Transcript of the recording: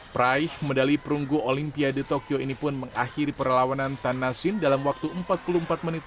praih medali perunggu olimpia di tokyo ini pun mengakhiri perlawanan tanasin dalam waktu empat puluh empat menit